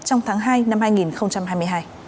trong tháng hai năm hai nghìn hai mươi hai